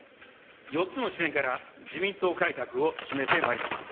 ４つの視点から自民党改革を進めてまいります。